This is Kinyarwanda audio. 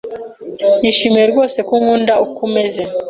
Nishimiye rwose ko unkunda uko meze.